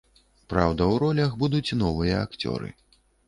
Праўда, у ролях будуць новыя акцёры.